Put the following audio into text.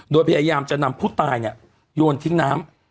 โดยพยายามจะนำผู้ตายโยนทิ้งน้ำ